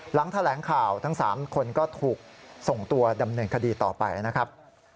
หลังแถลงข่าวทั้ง๓คนก็ถูกส่งตัวดำเนินคดีต่อไปนะครับ